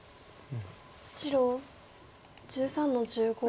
白１３の十五ツギ。